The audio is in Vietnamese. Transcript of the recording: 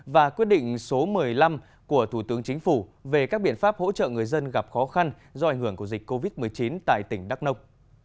và quyết định số một mươi năm của thủ tướng chính phủ về các biện pháp hỗ trợ người dân gặp khó khăn do ảnh hưởng của dịch covid một mươi chín tại tỉnh đắk nông